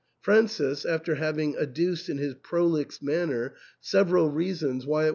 Francis, after having ad duced in his prolix manner several reasons why it 242 THE ENTAIL.